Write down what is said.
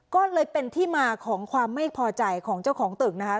ก็เลยเป็นที่มาของความไม่พอใจของเจ้าของตึกนะคะ